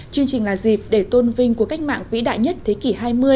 chương trình là dịp để tôn vinh của cách mạng vĩ đại nhất thế kỷ hai mươi